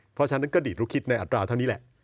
เพราะฉะนั้นก็ดีดรู้คิดในอัตราเท่านี้แหละ